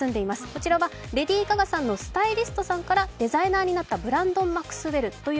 こちらはレディー・ガガさんのスタイリストさんからデザイナーになったブランドです。